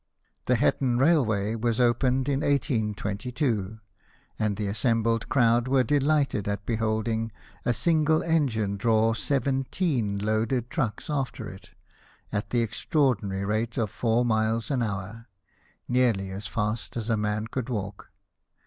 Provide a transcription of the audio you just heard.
The Hetton railway was opened in 1822, and the assembled crowd were delighted at beholding a single engine draw seventeen loaded trucks after it, at the extraordinary rate of four miles an hour nearly as fast as a man could walk.